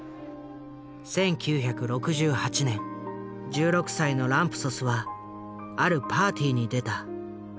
１９６８年１６歳のランプソスはあるパーティーに出た。